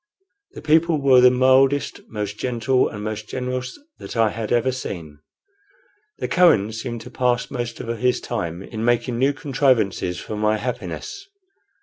The people were the mildest, most gentle, and most generous that I had ever seen. The Kohen seemed to pass most of his time in making new contrivances for my happiness.